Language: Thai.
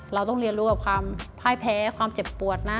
เราต้องเรียนรู้กับความพ่ายแพ้ความเจ็บปวดนะ